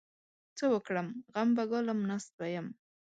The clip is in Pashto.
څه وکړم؟! غم به ګالم؛ ناست به يم.